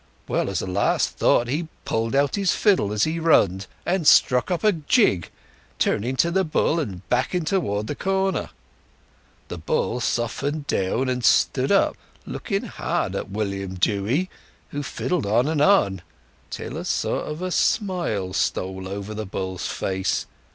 Well, as a last thought, he pulled out his fiddle as he runned, and struck up a jig, turning to the bull, and backing towards the corner. The bull softened down, and stood still, looking hard at William Dewy, who fiddled on and on; till a sort of a smile stole over the bull's face.